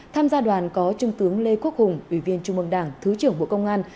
tham gia đoàn có trung tướng lê quốc hùng ủy viên trung mương đảng thứ trưởng bộ công an